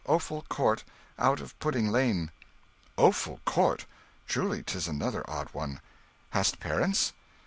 Offal Court, out of Pudding Lane." "Offal Court! Truly 'tis another odd one. Hast parents?"